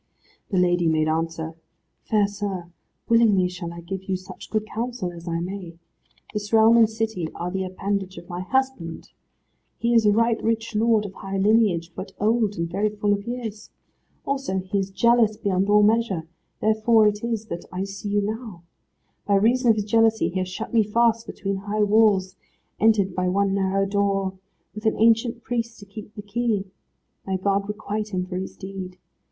The lady made answer, "Fair sir, willingly shall I give you such good counsel as I may. This realm and city are the appanage of my husband. He is a right rich lord, of high lineage, but old and very full of years. Also he is jealous beyond all measure; therefore it is that I see you now. By reason of his jealousy he has shut me fast between high walls, entered by one narrow door, with an ancient priest to keep the key. May God requite him for his deed.